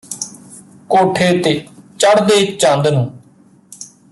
ਕੋਠੇ ਤੇ ਚੜ੍ਹਦੇ ਚੰਦ ਨੂੰ